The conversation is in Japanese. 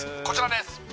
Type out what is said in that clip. こちらです